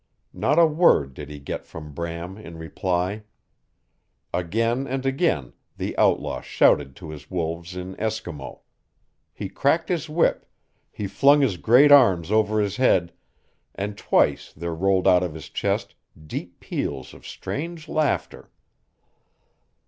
Not a word did he get from Bram in reply. Again and again the outlaw shouted to his wolves in Eskimo; he cracked his whip, he flung his great arms over his head, and twice there rolled out of his chest deep peals of strange laughter.